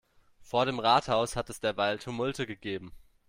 Vor dem Rathaus hat es derweil Tumulte gegeben.